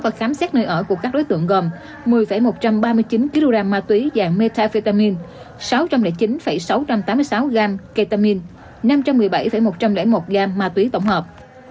và khám xét nơi ở của các đối tượng gồm một mươi một trăm ba mươi chín kg ma túy dạng metafetamine sáu trăm linh chín sáu trăm tám mươi sáu gram ketamine năm trăm một mươi bảy một trăm linh một gam ma túy tổng hợp